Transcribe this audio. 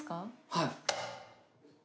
はい。